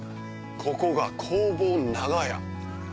ここが工房長屋。